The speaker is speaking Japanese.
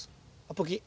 ポキッ。